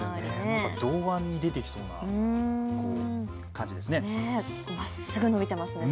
童話に出てきそうな感じですね。